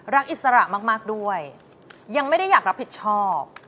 อิสระมากด้วยยังไม่ได้อยากรับผิดชอบ